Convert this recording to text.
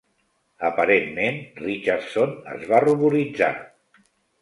Aparentment, Richardson es va ruboritzar.